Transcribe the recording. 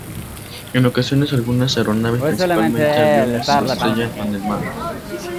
En ocasiones algunas aeronaves, principalmente aviones, se estrellan en el mar.